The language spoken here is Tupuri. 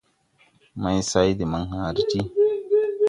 Maysay de maŋ hããre ti.